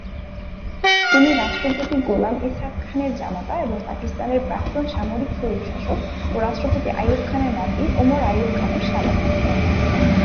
তিনি রাষ্ট্রপতি গোলাম ইসহাক খানের জামাতা এবং পাকিস্তানের প্রাক্তন সামরিক স্বৈরশাসক ও রাষ্ট্রপতি আইয়ুব খানের নাতি ওমর আইয়ুব খানের শ্যালক।